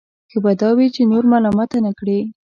ښه به دا وي چې نور ملامته نه کړي.